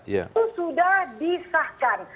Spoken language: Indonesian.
itu sudah disahkan